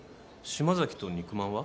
島崎と肉まんは？